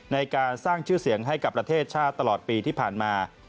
ในการสร้างชื่อเสียงให้กับประเทศชาติตลอดปีที่ผ่านมา